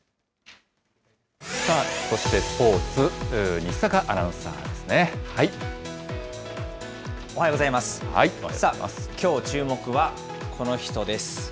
そしてスポーツ、おはようございます。